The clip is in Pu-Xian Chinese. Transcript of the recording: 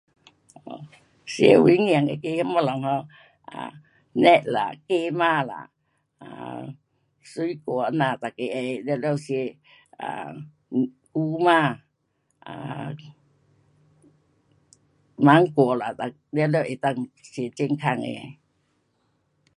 吃有营养那个东西 um 啊，肉啦，鸡肉啦，啊，水果这样，每个会全部吃，啊，牛，牛肉，啊，芒果啦，全部能够吃健康的。